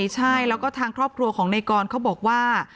ใช่แล้วก็ทางครอบครัวของในกรเขาบอกว่า